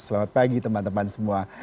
selamat pagi teman teman semua